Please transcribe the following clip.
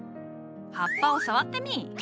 葉っぱを触ってみい。